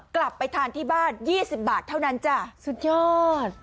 กลับไปทานที่บ้าน๒๐บาทเท่านั้นจ้ะสุดยอด